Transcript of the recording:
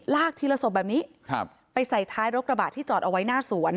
ทีละศพแบบนี้ไปใส่ท้ายรถกระบะที่จอดเอาไว้หน้าสวน